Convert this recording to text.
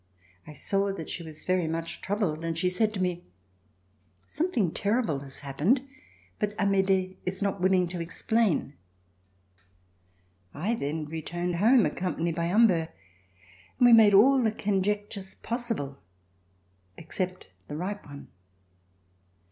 I saw that she was very much troubled and she said to me :" Something terrible has happened, but Amedee is not willing to explain." I then returned home accompanied by Humbert and we made all the conjectures possible except the right one.